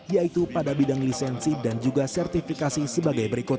yaitu pada bidang lisensi dan juga sertifikasi sebagai berikut